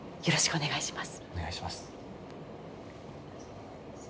お願いします。